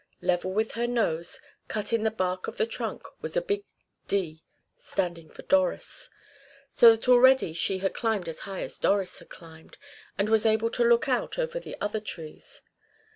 Level with her nose, cut in the bark of the trunk, was a big D, standing for Doris, so that already she had climbed as high as Doris had climbed, and was able to look out over the other trees.